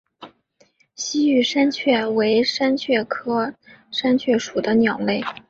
西域山雀为山雀科山雀属的鸟类。